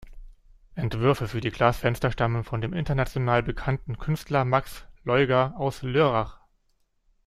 Entwürfe für die Glasfenster stammen von dem international bekannten Künstler Max Laeuger aus Lörrach.